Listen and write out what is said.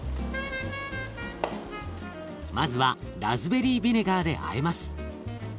まずはラズベリービネガーであえます。